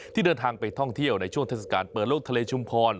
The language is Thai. เดินทางไปท่องเที่ยวในช่วงเทศกาลเปิดโลกทะเลชุมพร